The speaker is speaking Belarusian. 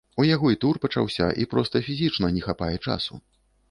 У яго і тур пачаўся, і проста фізічна не хапае часу.